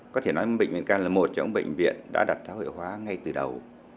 có thể nói bệnh viện ca là một trong bệnh viện đã đặt xã hội hóa ngay từ đầu